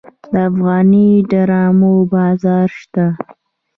د افغاني ډرامو بازار شته؟